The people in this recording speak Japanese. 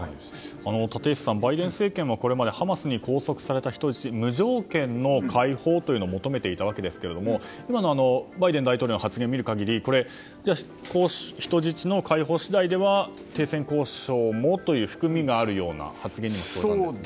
立石さんバイデン政権はこれまでハマスに拘束された人たちの無条件の解放を求めていたわけですが今のバイデン大統領の発言を見る限り、人質の解放次第では停戦交渉もという含みもあるような発言にも聞こえますが。